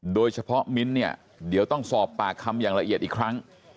โดยเฉพาะมิ้นต์เดี๋ยวต้องสอบปากคำอย่างละเอียดอีกครั้ง